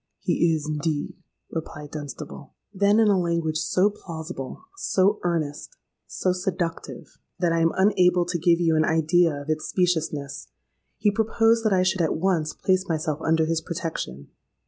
—'He is indeed,' replied Dunstable. "Then, in a language so plausible—so earnest—so seductive, that I am unable to give you an idea of its speciousness, he proposed that I should at once place myself under his protection.